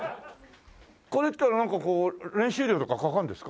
これってなんかこう練習料とかかかるんですか？